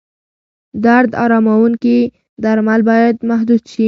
درد اراموونکي درمل باید محدود شي.